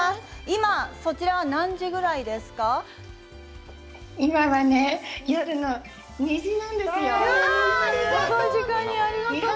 今、そちらは何時ぐらいですか？